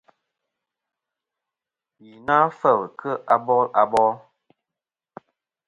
Yì na kfel kɨ abil abol.